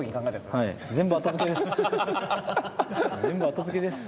全部後付けです。